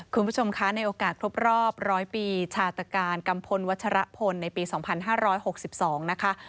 คุณผู้ชมคะในโอกาสครบรอบ๑๐๐ปีชาตการกัมพลวัชรพลในปี๒๕๖๒นะคะ